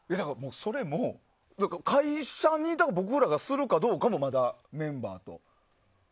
それも、会社に僕らがするかどうかもまだ、メンバーと。